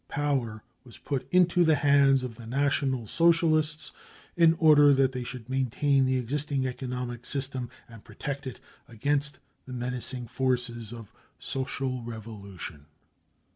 Power was put into the hands of the National Socialists in order that they should maintain the existing economic system and protect it against the menacing forces of social . revolution.